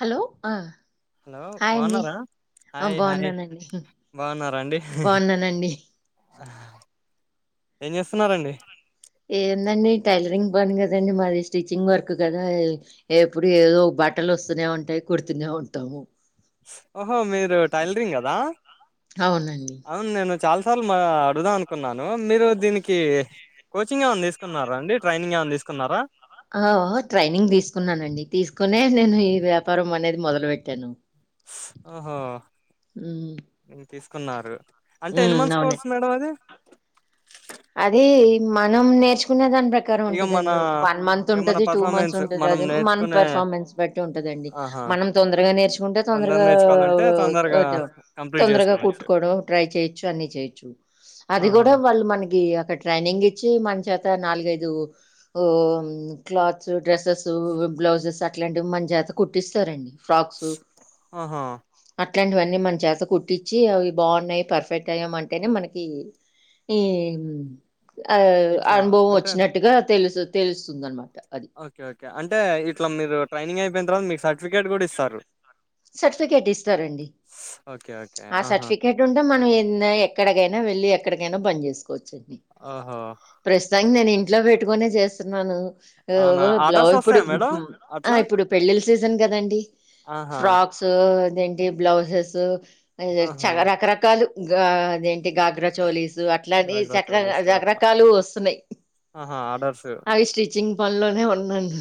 Hello hello hi అండి బాగున్నారా hi hi బాగున్నానండి బాగున్నారా అండి బాగున్నానండి ఏం చేస్తున్నారంండి ఏందండి టైలరింగ్ బని కదండి మాది స్టిచ్చింగ్ వర్క్ కదా ఎప్పుడు ఏదో బట్టలు వస్తూనే ఉంటాయి కుడుతూనే ఉంటాము ఆహ హో మీరు టైలరింగ్ కదా అవునండి అవును నేను చాలా సార్లు మా అడుగుదాం అనుకున్నాను మీరు దీనికి కోచింగ్ ఏమైన్నా తీసుకున్నారా అండి ట్రైనింగ్ ఏమైన్నా తీసుకున్నారా ఆ ట్రైనింగ్ తీసుకున్నానండి తీసుకునే నేను ఈ వ్యాపారం అనేది మొదలు పెట్టాను ఆహా ఉమ్ తీసుకున్నారు అంటే ఎన్ని ఉమ్ మంత్స్ అవును కావచ్చు మేడం అది అది మనం నేర్చుకునేదంట ప్రకారం ఇక మన ఉంటదండి ఒక వన్ మంత్ ఇక మన ఉంటుది టూ మంత్స్ పర్ఫార్మెన్స్ ఉంటంది మనం అది మన నేర్చుకునే పెర్ఫార్మెన్స్ బట్టి ఉంటదండి ఆహా మనం తొందరగా నేర్చుకుంటే తొందర తొందరగా నేర్చుకోవాలంటే తొందరగా కంప్లీట్ తొందరగా చేసుకోవచ్చు కుట్టుకోవడం ట్రై చేయొచ్చు అన్ని చేయొచ్చు అది ఆహా కూడా వాళ్ళు మనకి అక్కడ ట్రైనింగ్ ఇచ్చి మన చేత నాలుగైదు క్లాత్స్ డ్రెస్సెస్ బ్లౌజెస్ అట్లాంటివి మంచి చేత కుట్టిస్తారండి ఫ్రాక్స్ ఆహా అట్లాంటివన్నీ మన చేత కుట్టించి అవి బాగున్నాయి పర్ఫెక్ట్ అయ్యామ అంటేనే మనకి ఈ ఉ ఆ ఇట్లా అనుభవం అంటే వచ్చినట్టుగా తెలుసు తెలుస్తుందన్నమాట ఓకే ఓకే అంటే ఇట్లా మీరు ట్రైనింగ్ అయిపోయిన తర్వాత మీకు సర్టిఫికేట్ కూడా ఇస్తారు సర్టిఫికేట్ ఇస్తారండి ఓకే. ఓకే. ఆ ఆహా! సర్టిఫికేట్ ఉంటే మనం ఎన్న ఎక్కడికైనా వెళ్ళి ఎ ఎక్కడికైనా బంద చేసుకో వచ్చింది ఓహో! ప్రస్తతంగా నేన్ ఇంట్లో పెట్టుకునే చేస్తున్నాను అవునా? యోగో బ్ల ఆర్డర్స్ ఇప్పుడు ఒస్తాయా మేడం ఉహుమ్ ఆ అట్లా? ఇప్పుడు పెళ్ళిళ్ళ సీజన్ కదండి ఆహా! ఫ్రాక్స్ దేంటి బ్లౌజెస్స్సు నీచే ఆహా! చకరకరకాలు గాదే గాగ్రా చోలీసు అట్లాని గాగ్రా చోలీస్ అట్లా. చకరకరకాలు వస్తున్నాయి. ఆహా! ఆర్డర్స్ అవి స్టిచింగ్ పల్లొనే ఉంనండి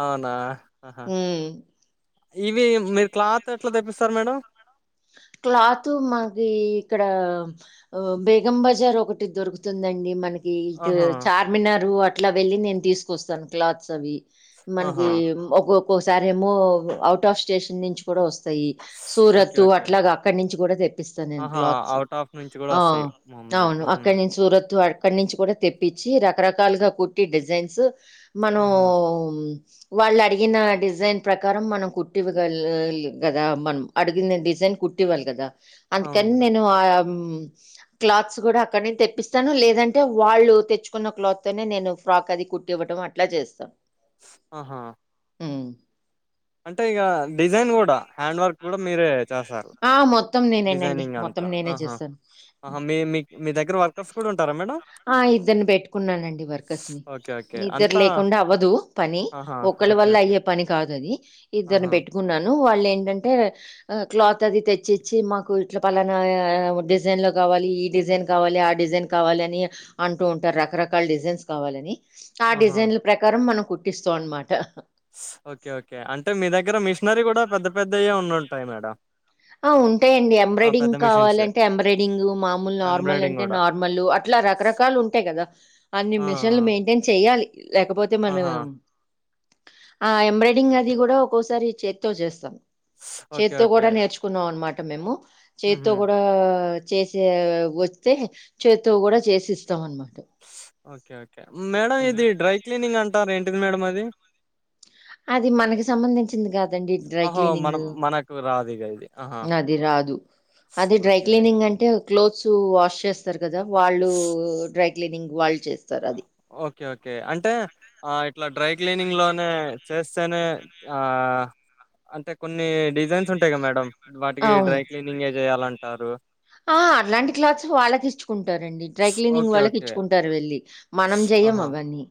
అవునా ఆహా! ఉమ్ ఇవి మీరు క్లాత్ ఎట్లా తెప్పిస్తారు మేడం క్లాత్ మాకి ఇక్కడ ఊ బేగం బజార్ ఒకటి దొరుకుతుందండి మనకి ఇటు ఆహా! చార్మినరు అ అట్లా వెళ్ళి నేను తీసుకొస్తాను క్లాత్స్ అవి మనకి ఆహా! ఒగ్గోగొ ఒసారెమో అవుట్ ఆఫ్ స్టేషన్ నుంచి కూడా వస్ సయి ఓకే. సూరత్ ఓకే. అట్ అక్కడ నుంచి కూడా తెప్పిస్తాను నేను ఆహా! క్లాత్స్ ఔట్ ఆఫ్ నుంచి గూడా ఆ ఒస్తాయి మామూలుగా. అవును హుహు. అక్కనుంచి సూరత్ అక్కడి నుంచి కూడా తెప్పించి రకరకాలుగా కుట్టి డిజైన్స్ ఆహా! మనోమ్ వాళ్ళు అడిగిన డిజైన్ ప్రకారం మనం కుట్టివ్వ గలిగి గదా మనం అడిగిన డిజైన్ కుట్టివ్వాలి కదా అవును అందుకని మేడం. నేను ఆ యమ్ క్లాత్స్ కూడా అక్కడి నుంచి తెప్పిస్తాను. లేదంటే వాళ్ళు తెచ్చుకున్న క్లాత్ తోనే నేను ఫ్రాక్ అది కుట్టి ఇవ్వడం అట్లా చేస్తా. స్ ఆహా అంటే ఇగా డిజైన్ కూడా హ్యాండ్ వర్క్ కూడా మీరే చెసారు ఆ మొత్తం నేనేనండి మొత్తం నేనే చేసాను. ఆహా! మీ మీ మీ దగ్గర వర్కర్స్ కూడా ఉంటారా మేడం? ఆ ఇద్దరిని పెట్టుకున్నానండి వర్కర్స్ ని ఓకే. ఓకే. ఇద్దరు అంతా లేకుండా అవ్వదు పని ఆహా! ఒకళ్ళ ఓకే. వల్ల ఓకే. అయ్యే పని కాదు అది ఇద్దరిని ఆహా! పెట్టుకున్నాను వాళ్ళు ఏంటంటే అ క్లాత్ అది తెచ్చిచ్చి మాకు ఇట్లా పలానా డిజైన్లో కావాలి, ఈ డిజైన్ కావాలి, ఆ డిజైన్ కావాలి అని, అంటూ ఉంటారు రకరకాల డిజైన్స్ కావాలని ఆ ఆహా! డిజైన్ల ప్రకారం మనం కుట్టిస్తావ్ అన్మాట ఓకే ఓకే అంటే మీ దగ్గర మిషనరీ కూడా పెద్ద పెద్దయే ఉండు ఉంటాయి మేడంమ్ ఆ ఉంటాయండి ఎంబ్రాయిడింగ్ మిషన్సే. కావాలంటే ఎంబ్రాయిడింగ్ మామూలు నార్మల్ ఎంబ్రాయిడింగ్ అంటే గూడా. నార్మలు అట్లా రకరకాలు ఉంటాయి. కదా అన్ని ఆ! ఆ! మిషిన్లు మెయింటైన్ చెయాలి. లేకపోతే మనం ఆహా! ఆ ఎంబ్రాయిడిరింగ్ అది కూడా ఒక్కోసారి చేతితో చేస్తాం. ఓకే. చెత్తో ఓకే. కూడా నేర్చ్ [unintelligible] మేము చేత్తో హుహు. కూడా చేసే వత్తె చేత్తో కూడా చేసిస్తాం అన్మా ఓకే ఓకే మేడం ఇది డ్రై క్లీనింగ్ అంటారు ఏంటిది మేడం అది ది అది మనకి సంబంధించింది కాదండి డ్రై ఓహో! మనం క్లీనింగ్ మనకు రాదిగ ఇది. ఆహా! అది రాదు అది డ్రై ఓకే. క్లీనింగ్ అంటే క్లోత్స్ వాష్ చేస్తరు. కదా వాళ్ళు డ్రై క్లీనింగ్ వాళ్ చేెస్ ఓకే ఓకే అంటే ఆ ఇట్లా డ్రై క్లీనింగ్ లోనే చేస్తేనే ఆ అంటే కొన్ని డిజైన్స్ ఉంటాయి. కా మేడం వాటికి అవును డ్రై క్లీనింగే జేయాలంటారు. ఆహా అట్లాంటి క్లాత్స్ వాళ్ళ కిచ్చుకుంటారండి. Dry cleaning okay. వాళ్ళ ఓకే. కిచ్చుకుంటారు వెళ్ళి మనం చెయ్యం ఆహా! అవన్నీ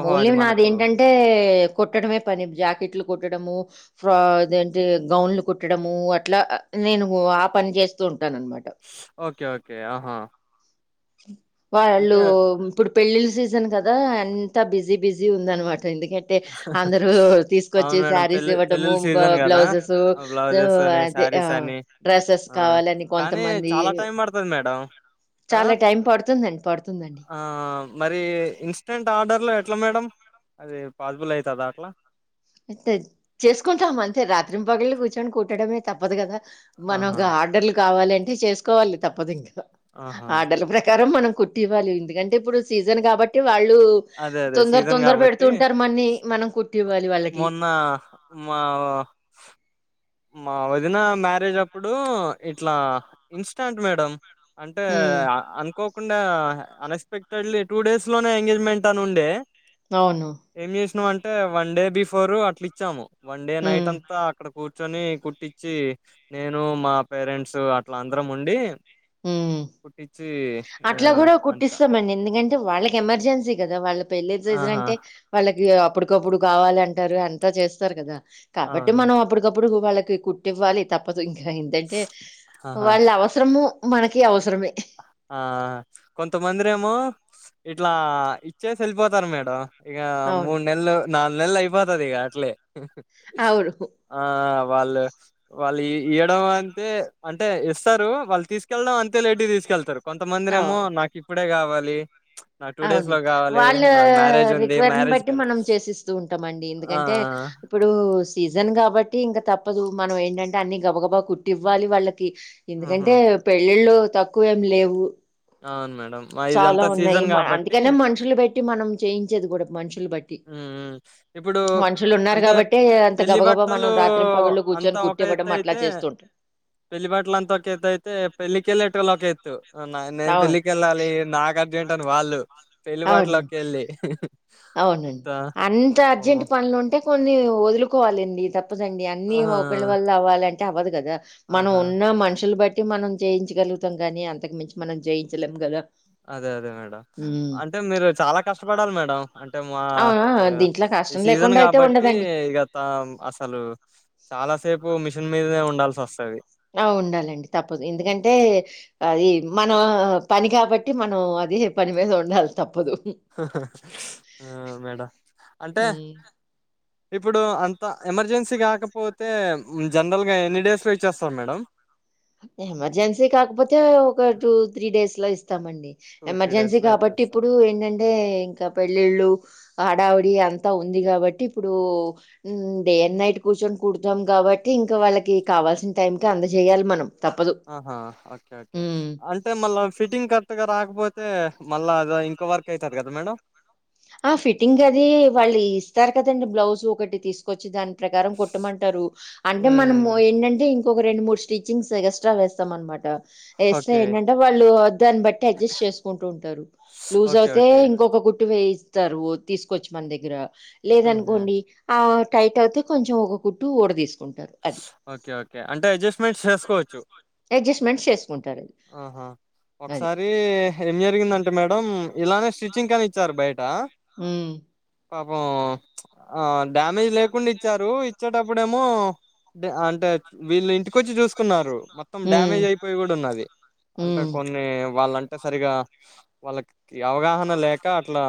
ఓహో! ఓన్లీ అది నాది మనకు ఏంటంటే కుట్టడమే పని జాకెట్లు కుట్టడము ఫ్ర అదేంటి గౌన్లు కుట్టడము ఇట్లా నేను ఆ పని చేస్తూ ఓకే ఓకే ఆహా వాళ్ళు అంటే ఇప్పుడు పెళ్ళిళ్ళ సీజన్ కదా అంతా బిజీ బిజీ ఉందనమాట ఎందుకంటే అందరు తీసుకొచ్చి అవును మేడం. శారీస్ పెళ్లి ఇవ్వటము పెళ్ళిళ్ళ బ్లౌ బ్లౌజెస్ సారీస్ అని ఆ కానీ కొంతమంది చాలా టైం పడతది మేడం కదా చాలా టైం పడుతుందండి. పడుతుందండి. ఆ మరి ఇన్స్టెంట్ ఆర్డర్లు ఎట్లా మేడం అదే పాసిబుల్ అయితదా అట్లా తే చేసుకుంటాం అంతే రాత్రిం పగల్లు కూర్చొని కుట్టడమే తప్పదు కదా మనం ఆహా! గా ఆర్డర్లు కావాలని అయితే చేసుకోవాలి తప్పదు ఇంకా ఆహా! ఆర్డర్ల ప్రకారం మనం కుట్టి ఇవ్వాలి ఎందుకంటే ఇప్పుడు సీజన్ కాబట్టి వాళ్ళు అదే. అదే. తొందర సీజన్ తొందర గాబట్టి పెడుతుంటారు మనన్ని మనం కుట్టివ్వాలి వాళ్ళ మొన్న మా మా వదిన మ్యారేజ్ అప్పుడు ఇట్లా ఇన్స్టాంట్ మేడం అంటే ఉమ్ అనుకోకుండా అన్ఎక్స్పెక్టెడ్లీ టూ డేస్ లోనే ఎంగేజ్మెంట్ అనుండే అవును ఎం చేసిన అం టే వన్ డే బిఫోరు అట్లిచ్చాము వన్ డే నైట్ ఉమ్ అంతా అక్కడ కూర్ ర్చొని కుట్టిచ్చి నేను మా పేరెంట్స్ అట్లా అందరం ఉండి ఉమ్ కుట్టి అట్లా గూడా కుట్టిస్తామండి ఎందుకంటే వాళ్ళకెమర్జెన్సీ గదా వాళ్ళక్ పెళ్లిళ్ల సీజన్ ఆహా అంటే వాళ్ళ గా అప్పుడుకప్పుడు కావాలంటారు అంతా చేస్తారు కదా కాబట్టి అవును మనం అప్పుడకప్పుడు వాళ్ళ కీ కుట్టివ్వాలి తప్పద్ ఇంకా ఏంటంటే ఆహా వాళ్ళ అవసరము మనకి అవసరమే ఆ కొంతమందిరేమో ఇట్లా ఇచ్చేసి ఎళ్ళిపోతారు మేడం ఇగ అవును మూడ్నెల్లు నాల్ నెల్లు అయిపోతదిగ అట్లే అవును ఆ వాళ్ళు వాళ్ళు ఇయడం అంతే అంటే ఇస్తారు వాళ్ళు తీసుకెళ్లడం అంతే లేట్ తీసుక్ కెళ్తారు కొంతమందినేమో అవు నాకిప్పుడే కావాల్ ప్లే అవును వాళ్ళ మ్యారేజ్ ఉంది రిక్వైరన్ మ్యారేజ్ కి బట్టి వెళ్ మనం చేసిస్తూ ఉంటామండి ఆ ఎందుకంటే ఇప్పుడూ సీజన్ కాబట్టి ఇంకా తప్పదు మనం ఏంటంటే అన్ని గబ గబ కుట్టివ్వాలి వాళ్ళ కి ఆ ఆహా ఎందుకంటే పెళ్ళిళ్ళు తక్కువేం లేవు అవును మేడం ఆ చాలా ఇదంతా ఉన్నాయి సీజన్ మ కాబట్టి అందుకనే మనుషులు పెట్టి మనం చేయించేది కూడా మంచి ఇప్పుడు మనుషులున్నారు అంటే గాబట్టే అంత పెళ్లిి గబగబా బట్టలు మనం రాత్రింపగళ్ళు అంతా గూర్చొని ఒక ఎత్త కుట్టివ్వడం అట్లా అయితే చేస్తూ ఉంటాం. పెళ్లి బట్టలు అంతా ఒక ఎత్త అయితే పెళ్ళకిెళ్ళేటటుకళ ఒక ఎత్తు నేను అవును. పెళ్ళకిెళ్ళాలి నాకు ఏంటాను వాళ్ళు పెళ్లిబాట్లోకి అవునండి. వెళ్ళి అవునండి అంత అర్జెంట్ పనులు ఉంటే కొన్ని వదులుకోవాలండి తప్ప తప్పదండి అన్ని ఆ! ఒకళ్రి వల్ల అవ్వాలంటే తవ కదా మనం ఆహా! ఉన్న మనుషులు బట్టి అట్టి మనం జయించగలుగుతాం కానీ అంత మించి మనం జయించలేం కదా అదే అదే మేడం అంటే మీరు చాలా కష్టపడాలి మేడం అంటే మా అవునా! దీంట్లో ఈ కష్టం సీజన్ లేకుండా అయితే కాబట్టి ఉండదండి. ఇ గ త అసలు చాలా సేపు మిషన్ మీదనే ఉంల్సి వస్తుంది ఆ ఉండాలండి తప్పదు ఎందుకంటే అది మనం పని కాబట్టి మనం అది పని మీద ఉండాలి తప్పదు ఆ మేడం అంటే హ్మ్. ఇప్పుడు అంత ఎమర్జెన్సీ కాకపోతే జనరల్గా ఎన్ని డేస్లో ఇచ్చేస్తాారు మేడం ఎమర్జెన్సీ కాకపోతే ఒక టూ త్రీ డేస్ లో ఇస్త స్తామండి టూ త్రీ డేస్ ఎమర్జెన్సీ లో కాబట్టి ఇచ్చేస్తారు ఇప్పుడు ఏంటంటే ఇంకా పెళ్ళిళ్ళు ఆడావిడి అంతా ఉంది కాబట్టి ఇప్పుడు డే అండ్ నైట్ కూర్చొని కుడతాం కాబట్టి ఇంకా వాళ్ళకి కావాల్సిన టైంకి అంత చెయాలి మనం తప్పదు. ఆహా ఓకే ఓకే హ్మ్. అంటే మళ్ళా ఫిటింగ్ క కొత్తగా రాకపోతే మళ్ళా అద ఇంకో వర్క్ అవుతుంది కదా మేడం ఆ ఫిట్టింగ్ అది వాళ్ళు ఇస్తారు కదండి బ్లౌజ్ ఒకటి తీసుకొచ్చి దానికి ప్రకారం కొట్టమంటారు అంటే మనము హ్మ్ ఏంటంటే ఇం ఒక రెండు మూడు స్టిచ్చింగ్స్ ఎక్స్ట్రా వేస్తాం అనమాట వస్తా ఓకే ఏంటంటే వాళ్ళు దాన్ని బట్టి అడ్జస్ట్ చేసుకుంటూ ఉంటారు లూజ్ ఓకే అవుతే ఓకే ఇంకొక గుట్టి వే వస్తారు తీసుకోవచ్చు మన దగ్గర ఉహు లేదనుకోండి ఆ టైట్ అవుతే కొంచెం ఒక కుట్టు ఊడ తీసుకు ఓకే ఓకే అంటే అడ్జస్ట్మెంట్ అడ్జస్ట్‌మెంట్స్ చేసుకుంటారు. చేసుకోవచ్చుహా అది. ఒకసారి ఏం జరిగిందంటే అే మేడ ఇలానే స్టిచ్చింగ్ కని ఇచ్చారు బయట ఆ పాపం ఆ డ్యామేజ్ లేకుండా ఇచ్చారు ఇచ్చేటప్పుడేమో అంటే అంటే వీళ్ళు ఇంటికొచ్చి చూసుకున్నారు మొత్తం హ్మ్. డ్యామేజ్ అయిపోయి కూడా ఉన్నది అంటే హ్మ్. కొన్ని వాళ్ళంటే అంటే సరిగా వాళ్ళకి అవగాహన లేక అట్లా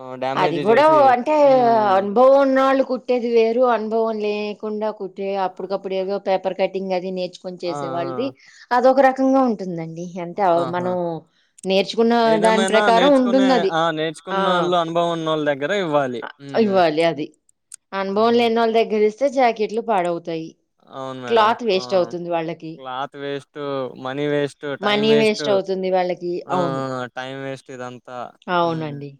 ఆ, అది డ్యామేజ్ కూడా చేసి అంటే ఉమ్ అనుభవం ఉన్నాళ్ళు కుట్టేది వేరు అనుభవం లేకుండా కుట్ట ఇ ఆప్పుడు కప్పుడేగ పేపర్ కటింగ్ అది నే కొని ఆ చేసే వాళ్ళది అదొ రక రంగా ఉంటుందండి ది అంటే ఆ ఆహా మనం నేర్చుకున్న దాని ఏదేమైనా ప్రకారం నేర్చుకునే ఉంటుంది అది ఆ ల దగ్గర ఇవ్వాలి ఊ అ ఇవ్వాలి అహ ఇస్తే జాకెట్లు పాడవుతాయి అవును మేడం క్లాత్ ఆ వేస్ట్ అవుతుంది వాళ్ళకి. Cloth waste money waste time money waste అవుతుంది వాళ్ళకి. అవును. టైమ్ వేస్ట్ ఇదంతా ఊ అవునండి.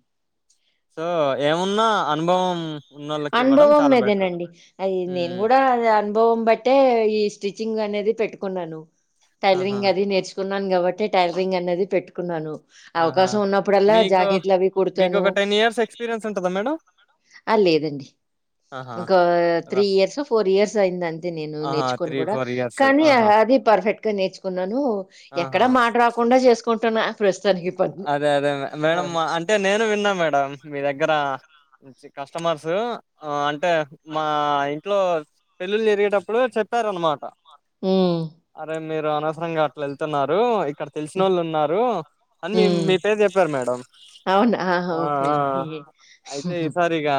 సో ఏమున్నా అనుభవం ఉన్నోళ్ళకి ఇవ్వడం అనుభవం చాలా బెటర్ మీదేనండి అది నేను ఉమ్ కూడా అనుభవం బట్టే ఈ స్టిచ్చింగ్ అనేది అది పెట్టుకున్నాను ఆహా టైలరింగ్ అది నేర్చుకు ఉన్నాను కాబట్టి టైరింగ్ అనేది పెట్టుకున్నాను ఆహా అవకాశం ఉన్నప్పుడల్లా మీకు జాకెట్లు అవి మీకు ఒక టెన్ ఇయర్స్ ఎక్స్పీరియన్స్ ఉంటదా మేడం అ లేదండి ఆహా! ఒకంకా three rough years four years అయింది అంతే నేను ఆహా నేర్చుకని త్రీ కూడా ఫోర్ ఇయర్స్ కానీ ఆహా అది పర్ఫెక్ట్ గా నేర్చుకున్నాను ఎక్కడా మాట్ రాకుండా చేసుకు కుంటున్న ప్రస్ అ అదె అదె మె మేడం, అంటె నేను విన్న మేడం, మీ దగ్గర్ ఇక్కడ నుంచి కస్టమర్స్ సు అంటె, మా ఇంట్లొ పెళ్ళిళ్ళ్ జరిగేటప్పుడు, చెప్పారు అనమాట. ఊ మీరు అనవసరంగ అట్ల వెళ్తున్నారు. ఇక్ అక్కడ, తెల్స్ హ్మ్ నోళ్ళు ఉన్నారు. మి హ్మ్. మీ పేర్ చెప్పారు మేడం. అవునా ఆహా! ఆ ఓకే ఆ అండి అ అయితె ఈసారి ఇగ హ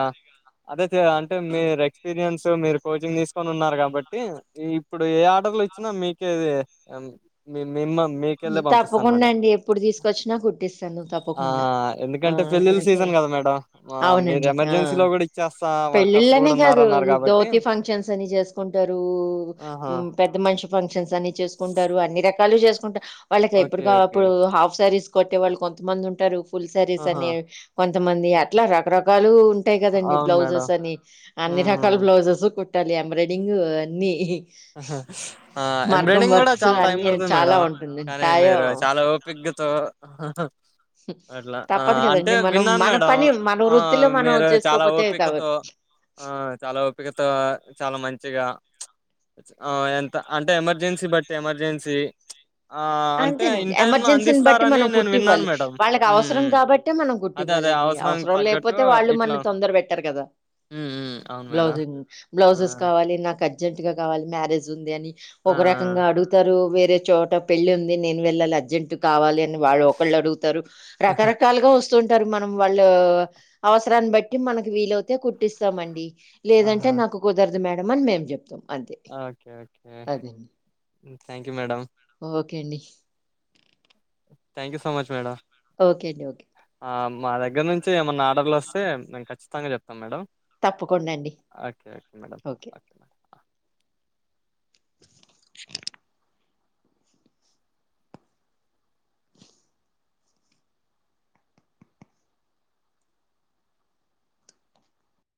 అదైతె అంటె మీర్ ఎక్స్పీరియన్స్ సు మీరు కోచింగ్ తీస్ కొన్ ఉన్నారు కాబట్టి, యిప్పుడు ఏ ఆర్డర్లు యిచ్చిన మీకె అది అంత్ మీ మ తప్పకుండ అండి ఎప్పుడు తీసుకొచ్చిన ఆ కుట్టిస్తాను ఆ తప్పకుండ. ఆ ఎందుకంటే పెళ్ళిళ్ళ అంటె సీజన్ కదా మేడం ఆ మీరు ఔనండి ఆ ఎమర్జెన్సీలో కూడా ఇచ్చేస్తా వర్కర్స్ పెళ్ళిళ్ళు అని కూడా ఉన్నారు కాదు, అన్నారు కాబట్టి దోతి ఫంక్షన్స్ అని జేస్ కుంటరూ ఆహా ఉమ్ పెద్ద మన్ షి ఫంక్షన్స్ అన్ని చేస్ కుంటారు. అన్ని రకాలు జేస్ హ వాళ్ళకి యెప్పుడు ఓకే ఓకే కప్పుడు హాఫ్ శారీస్ కొట్టె వాళ్ళు కొంతమంది ఉంటారు. పుల్ సరిస్ ఆహా అని కొంత్ కొంతమంది అట్ల రకరకాలూ ఉంట్ ఉంటాయ్ గదండి. అవును మేడం బ్లౌజెస్ అని అన్ని రకాల్ ఉమ్ బ్లౌజెస్ సు కుట్ పెట్టాలి ఎంబ్రాయిడింగ్ అన్ని ఇహి ఉహు ఆ ఎంబ్రాయిడింగ్ గూడ వర్క్స్ చాల్ టైం అన్ని బడతది చాలా మేడం ఉంటుందండి కాని, తాయ మీరు చాల ఓపిగ్గ్ ఆ ఆహ అట్ల ఆ తప్పదు అంటె కదండి మనం విన్నాన్ మన మేడం పని మన ఆ వృత్తిలో మనం మీరు చాల చేసుకోపోతే తవదు ఓపికతొ ఆ చాల ఓపికతో ఆ చాల మంచిగ ప్చ్ ఆ ఎంత అంటె ఎమర్జెన్సి బట్టి ఎమర్జెన్సీ ప్చ్ అంతెనండి ఎమర్జెన్సీని బట్టి మనం నేను విన్నాను కుట్టివ్వాలి మేడం. వాళ్లకి హ్మ్. అవసరం హ్మ్. కాబట్టె మనం అదే కుట్టివ్వాలి అదే అండి అవసరానికి అవసరంలేక్ తగ్గట్టు పోతె వాళ్ళు ఇట్లా మని తొందర పెట్టరు గద హ్మ్. హ్మ్. అవును మేడం. బ్లౌజింగ్ ఆ! బ్లౌజెస్ కావాలి నాక అని అర్జెంట్ గా గావాలి మ్యారేజ్ ఉంది అని ఆ! ఒక రకంగ ఆ! అడుగుతారు వేరె అదేచోట పెళ్లి ఉంది నేన్ వెళ్ళాలి అర్జెంట్ కావాలి అని అని వాళ్ళు ఒకళ్ళు అడుగుతారు రకరకాలుగ వస్తుంట అంటారు మనం వాళ్ళు అవసరాన్ని బట్టి మనకి వీలవుతె కుట్టిస్తామండి లేదంటె నాకు కుదరద్ ద్దుమేడం అన్ మేమ్ జెప్తాం ఆ okay okay thank you madam okay అండి thank you so much madam okay అండి ఓకేడి ఆ! మా దగ్గర నుంచి ఏమైన్నా ఆర్డర్లు వస్తే మేము ఖచ్చితంగా చెప్తాం మేడం తప్పకుండా అండి. Okay okay madam okay. ఓక్ మ